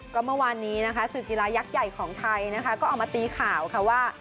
ก็เมื่อวานนี้สื่อกีฬายักษ์ใหญ่ของไทยก็ออกมาตีข่าวว่า